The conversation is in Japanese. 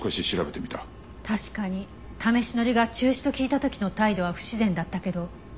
確かに試し乗りが中止と聞いた時の態度は不自然だったけど。